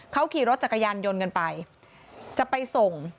เขาขี่รถจักรยานยนต์กันไปจะไปส่ง